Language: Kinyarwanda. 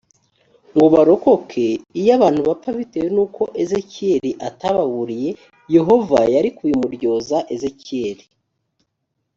ngo barokoke iyo abantu bapfa bitewe n uko ezekiyeli atababuriye yehova yari kubimuryoza ezekiyeli